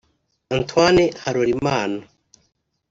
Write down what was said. Antoine Harolimana